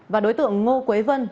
và đối tượng ngô quế vân